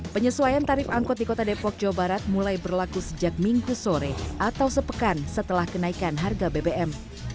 penyesuaian tarif angkot di kota depok jawa barat mulai berlaku sejak minggu sore atau sepekan setelah kenaikan harga bbm